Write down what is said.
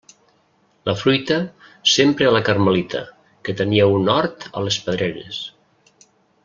La fruita sempre a la Carmelita, que tenia un hort a les Pedreres.